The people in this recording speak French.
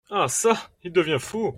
Ah çà ! il devient fou !